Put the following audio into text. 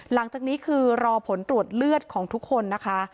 หลังจากนี้คือรอผลตรวจเลือดของทุกคนนะคะ